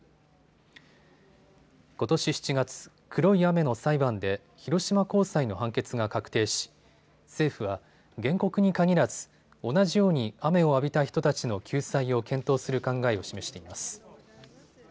ことし７月、黒い雨の裁判で広島高裁の判決が確定し政府は原告に限らず同じように雨を浴びた人たちの救済を検討する考えを示しています。